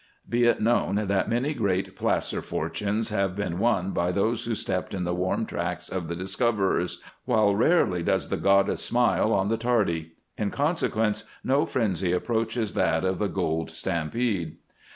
Be it known that many great placer fortunes have been won by those who stepped in the warm tracks of the discoverers, while rarely does the goddess smile on the tardy; in consequence, no frenzy approaches that of the gold stampede.